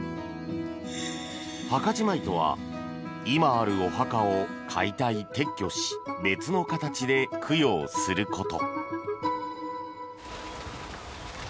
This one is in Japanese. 墓じまいとは今あるお墓を解体撤去し別の形で供養すること。